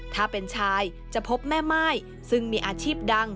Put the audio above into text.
ถ้าเป็นชายจะพบแม่ม่ายซึ่งมีอาชีพดัง